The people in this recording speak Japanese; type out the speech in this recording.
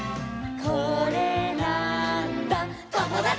「これなーんだ『ともだち！』」